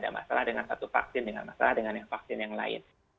ada masalah dengan satu vaksin ada masalah dengan vaksin yang lain